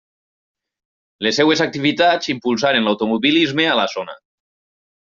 Les seves activitats impulsaren l'automobilisme a la zona.